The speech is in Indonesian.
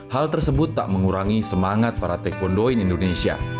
hal tersebut tak mengurangi semangat para taekwondo indonesia